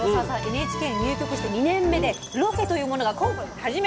ＮＨＫに入局して２年目でロケというものが今回初めてなんです。